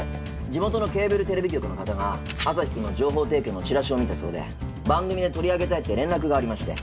地元のケーブルテレビ局の方がアサヒくんの情報提供のチラシを見たそうで番組で取り上げたいって連絡がありまして。